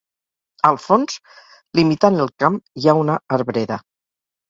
Al fons, limitant el camp hi ha una arbreda.